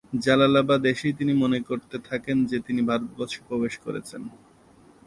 জালালাবাদ এসেই তিনি মনে করতে থাকেন যে তিনি ভারতবর্ষে প্রবেশ করেছেন।